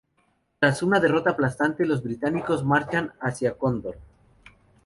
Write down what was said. Tras una derrota aplastante, los británicos marchan hacia Concord.